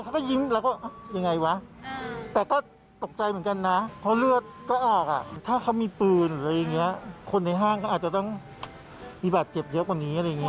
คนวิ่งหนีกันกระเติ้งใช่ไหม